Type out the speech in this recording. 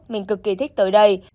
mình cực kỳ thích tới đây